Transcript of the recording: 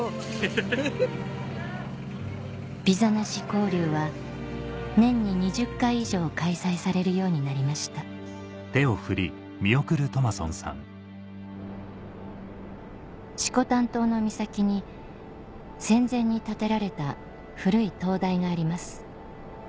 ビザなし交流は年に２０回以上開催されるようになりました色丹島の岬に戦前に建てられた古い灯台があります